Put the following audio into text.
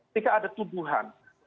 jika ada tuduhan